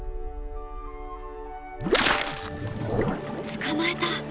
捕まえた！